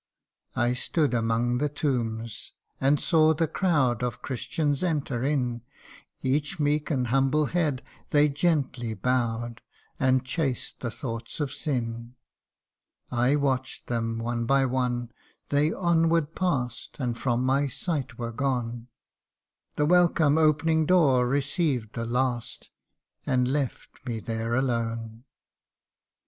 I stood among the tombs and saw the crowd Of Christians enter in ; Each meek and humble head they gently bow'd, And chased the thoughts of sin. I watch'd them one by one they onward pass'd And from my sight were gone, The welcome opening door received the last And left me there alone.